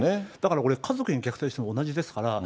だからこれ、家族に虐待してるのと同じですから。